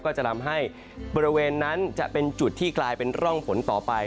ก็จะทำให้บริเวณนั้นจะเป็นจุดที่กลายเป็นร่องฝนต่อไป